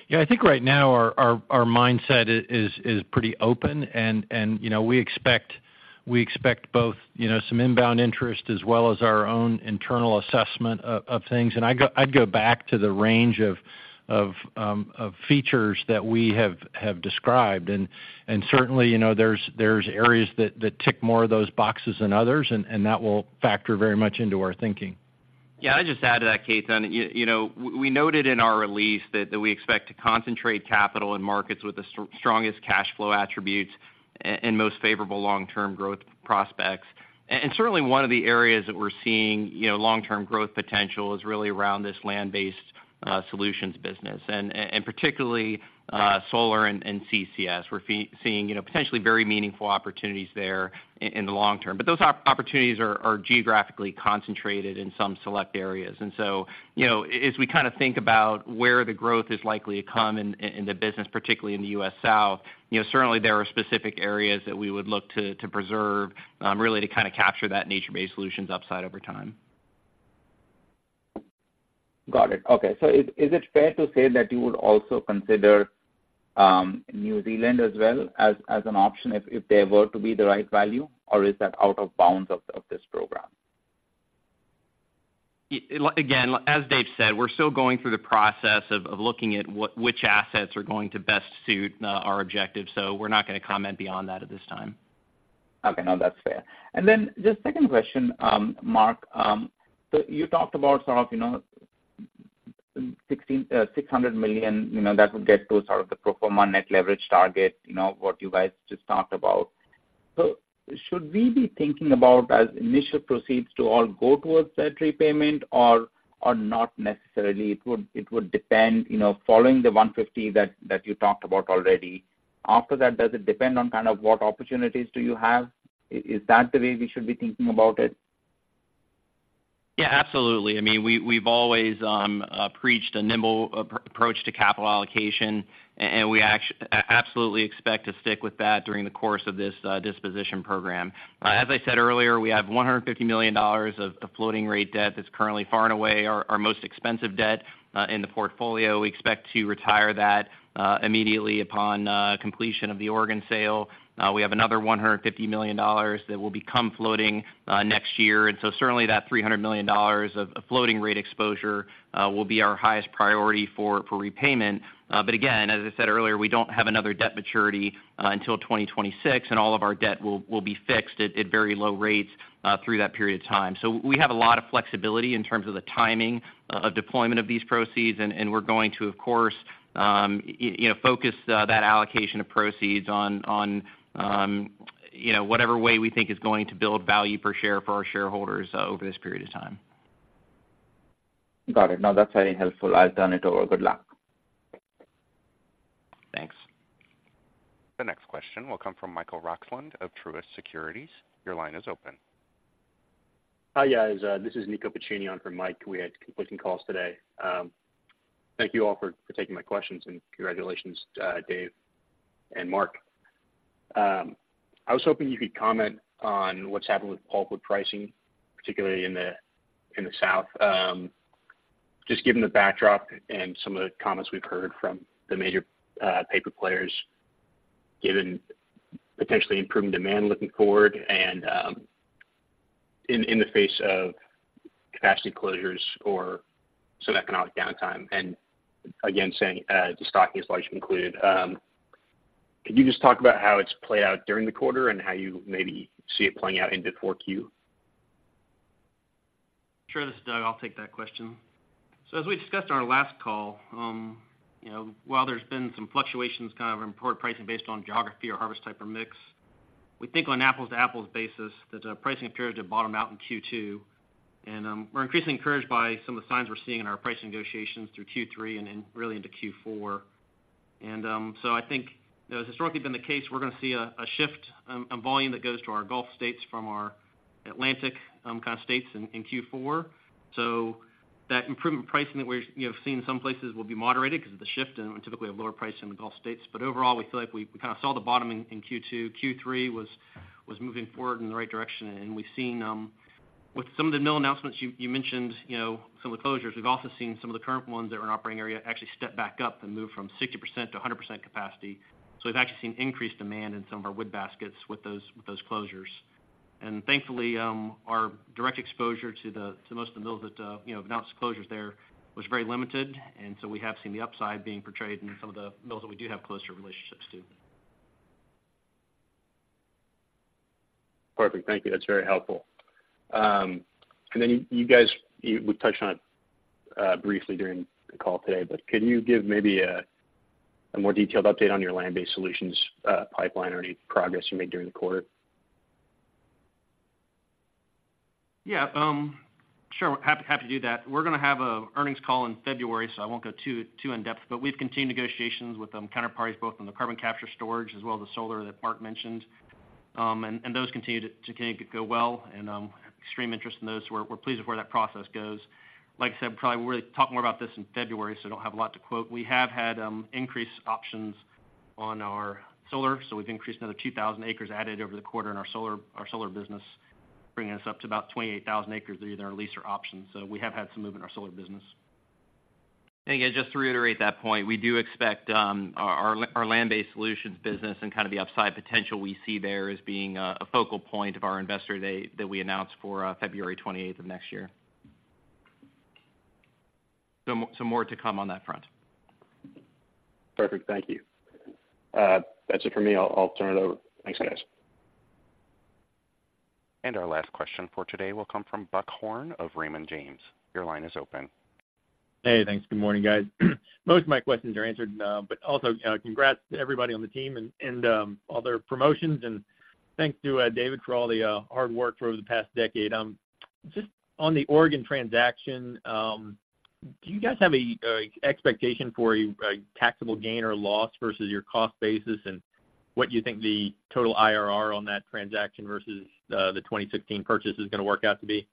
Yeah, I think right now our mindset is pretty open, and, you know, we expect both, you know, some inbound interest as well as our own internal assessment of things. And I'd go back to the range of features that we have described. And certainly, you know, there's areas that tick more of those boxes than others, and that will factor very much into our thinking. Yeah, I'd just add to that, Ketan, you know, we noted in our release that we expect to concentrate capital in markets with the strongest cash flow attributes and most favorable long-term growth prospects. And certainly, one of the areas that we're seeing, you know, long-term growth potential is really around this land-based solutions business, and particularly solar and CCS. We're seeing, you know, potentially very meaningful opportunities there in the long term. But those opportunities are geographically concentrated in some select areas. And so, you know, as we kind of think about where the growth is likely to come in the business, particularly in the U.S. South, you know, certainly there are specific areas that we would look to preserve really to kind of capture that nature-based solutions upside over time. Got it. Okay. So is it fair to say that you would also consider New Zealand as well as an option if they were to be the right value, or is that out of bounds of this program? Again, as Dave said, we're still going through the process of looking at which assets are going to best suit our objectives, so we're not gonna comment beyond that at this time. Okay, no, that's fair. And then the second question, Mark, so you talked about sort of, you know, $1.6 billion, you know, that would get to sort of the pro forma net leverage target, you know, what you guys just talked about. So should we be thinking about as initial proceeds to all go towards that repayment or, or not necessarily, it would, it would depend, you know, following the $150 million that, that you talked about already? After that, does it depend on kind of what opportunities do you have? Is that the way we should be thinking about it? Yeah, absolutely. I mean, we've always preached a nimble approach to capital allocation, and we absolutely expect to stick with that during the course of this disposition program. As I said earlier, we have $150 million of the floating rate debt that's currently far and away our most expensive debt in the portfolio. We expect to retire that immediately upon completion of the Oregon sale. We have another $150 million that will become floating next year. And so certainly that $300 million of floating rate exposure will be our highest priority for repayment. But again, as I said earlier, we don't have another debt maturity until 2026, and all of our debt will be fixed at very low rates through that period of time. So we have a lot of flexibility in terms of the timing of deployment of these proceeds, and we're going to, of course, you know, focus that allocation of proceeds on, on, you know, whatever way we think is going to build value per share for our shareholders over this period of time. Got it. No, that's very helpful. I'll turn it over. Good luck. Thanks. The next question will come from Michael Roxland of Truist Securities. Your line is open. Hi, guys. This is Nico Piccini on for Mike. We had conflicting calls today. Thank you all for taking my questions, and congratulations, Dave and Mark. I was hoping you could comment on what's happened with pulp wood pricing, particularly in the South. Just given the backdrop and some of the comments we've heard from the major paper players, given potentially improving demand looking forward and in the face of capacity closures or some economic downtime, and again, saying the stocking is largely included. Could you just talk about how it's played out during the quarter and how you maybe see it playing out into 4Q? Sure. This is Doug. I'll take that question. So as we discussed on our last call, you know, while there's been some fluctuations kind of in pulp pricing based on geography or harvest type or mix, we think on an apples-to-apples basis that pricing appeared to bottom out in Q2. And we're increasingly encouraged by some of the signs we're seeing in our pricing negotiations through Q3 and really into Q4. And so I think, you know, it's historically been the case, we're gonna see a shift volume that goes to our Gulf states from our Atlantic kind of states in Q4. So that improvement pricing that we're, you know, seeing in some places will be moderated because of the shift and typically a lower price in the Gulf states. But overall, we feel like we kinda saw the bottom in Q2. Q3 was moving forward in the right direction, and we've seen with some of the mill announcements, you mentioned, you know, some of the closures. We've also seen some of the current ones that are in operating area actually step back up and move from 60% to 100% capacity. So we've actually seen increased demand in some of our wood baskets with those closures.... Thankfully, our direct exposure to most of the mills that you know announced closures there was very limited, and so we have seen the upside being portrayed in some of the mills that we do have closer relationships to. Perfect. Thank you. That's very helpful. And then, you guys, we touched on it briefly during the call today, but can you give maybe a more detailed update on your Land-Based Solutions pipeline or any progress you made during the quarter? Yeah, sure. Happy to do that. We're gonna have a earnings call in February, so I won't go too in-depth, but we've continued negotiations with counterparties, both on the carbon capture storage as well as the solar that Mark mentioned. And those continue to kind of go well, and extreme interest in those. We're pleased with where that process goes. Like I said, we'll probably really talk more about this in February, so I don't have a lot to quote. We have had increased options on our solar, so we've increased another 2,000 acres added over the quarter in our solar business, bringing us up to about 28,000 acres that are either in lease or option. So we have had some movement in our solar business. Yeah, just to reiterate that point, we do expect our Land-Based Solutions business and kind of the upside potential we see there as being a focal point of our Investor Day that we announced for February 28th of next year. So more to come on that front. Perfect. Thank you. That's it for me. I'll turn it over. Thanks, guys. Our last question for today will come from Buck Horne of Raymond James. Your line is open. Hey, thanks. Good morning, guys. Most of my questions are answered, but also, congrats to everybody on the team and, and, all their promotions. And thanks to David, for all the hard work over the past decade. Just on the Oregon transaction, do you guys have an expectation for a taxable gain or loss versus your cost basis? And what do you think the total IRR on that transaction versus the 2016 purchase is gonna work out to be?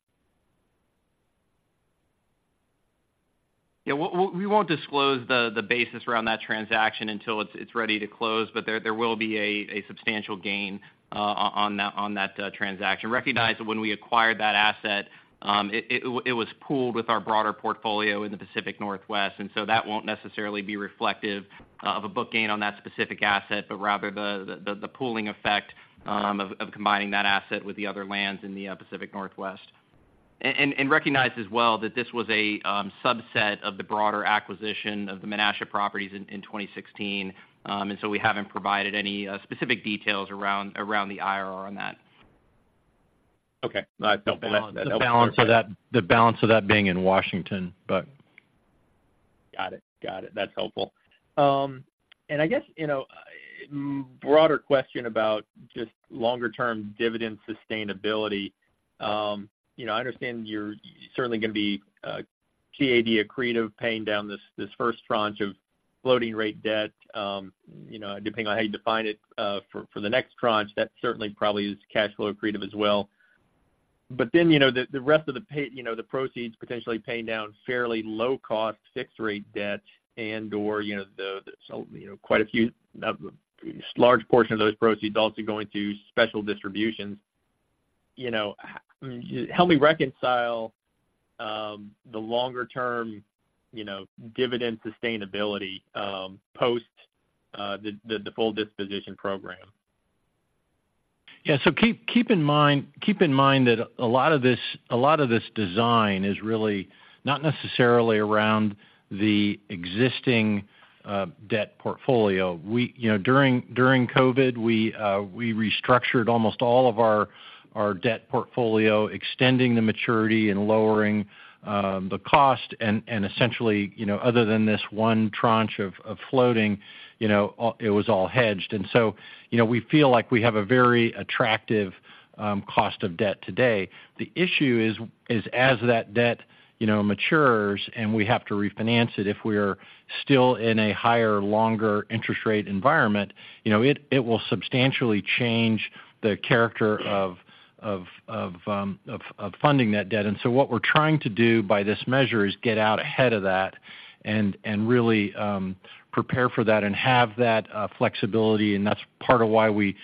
Yeah, we won't disclose the basis around that transaction until it's ready to close, but there will be a substantial gain on that transaction. Recognize that when we acquired that asset, it was pooled with our broader portfolio in the Pacific Northwest, and so that won't necessarily be reflective of a book gain on that specific asset, but rather the pooling effect of combining that asset with the other lands in the Pacific Northwest. And recognize as well that this was a subset of the broader acquisition of the Menasha properties in 2016. And so we haven't provided any specific details around the IRR on that. Okay. No, I don't- The balance of that being in Washington, but... Got it. Got it. That's helpful. And I guess, you know, broader question about just longer-term dividend sustainability. You know, I understand you're certainly gonna be CAD accretive, paying down this first tranche of floating rate debt, you know, depending on how you define it, for the next tranche, that certainly probably is cash flow accretive as well. But then, you know, the rest of the you know, the proceeds potentially paying down fairly low cost, fixed rate debt and/or, you know, the, you know, quite a few large portion of those proceeds also going to special distributions. You know, help me reconcile the longer term, you know, dividend sustainability post the full disposition program. Yeah, so keep in mind that a lot of this design is really not necessarily around the existing debt portfolio. You know, during COVID, we restructured almost all of our debt portfolio, extending the maturity and lowering the cost, and essentially, you know, other than this one tranche of floating, you know, all- it was all hedged. And so, you know, we feel like we have a very attractive cost of debt today. The issue is as that debt matures and we have to refinance it, if we're still in a higher, longer interest rate environment, you know, it will substantially change the character of funding that debt. So what we're trying to do by this measure is get out ahead of that and really prepare for that and have that flexibility, and that's part of why we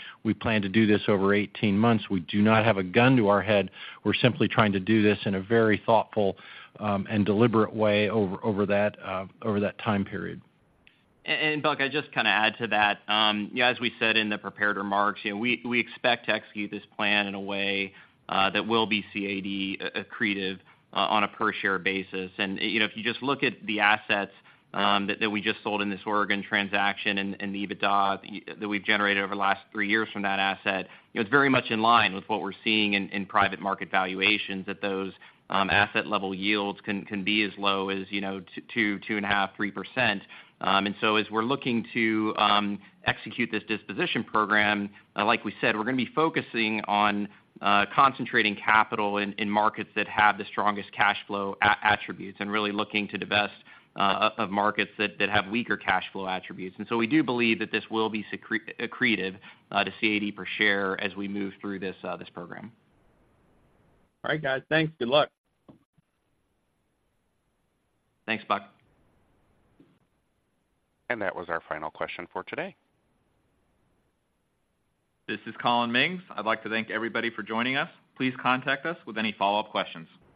plan to do this over 18 months. We do not have a gun to our head. We're simply trying to do this in a very thoughtful and deliberate way over that time period. Buck, I'd just kind of add to that. Yeah, as we said in the prepared remarks, you know, we expect to execute this plan in a way that will be CAD accretive on a per-share basis. And, you know, if you just look at the assets that we just sold in this Oregon transaction and the EBITDA that we've generated over the last 3 years from that asset, it was very much in line with what we're seeing in private market valuations, that those asset-level yields can be as low as, you know, 2-2.5-3%. And so as we're looking to execute this disposition program, like we said, we're gonna be focusing on concentrating capital in markets that have the strongest cash flow attributes and really looking to divest of markets that have weaker cash flow attributes. And so we do believe that this will be accretive to CAD per share as we move through this program. All right, guys. Thanks. Good luck. Thanks, Buck. That was our final question for today. This is Collin Mings. I'd like to thank everybody for joining us. Please contact us with any follow-up questions.